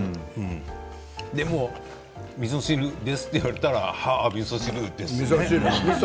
でもみそ汁ですと言われたら、ああみそ汁ですって。